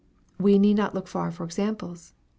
We need not look far for examples.